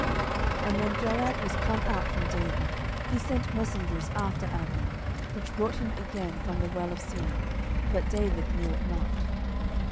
10:003:026 And when Joab was come out from David, he sent messengers after Abner, which brought him again from the well of Sirah: but David knew it not.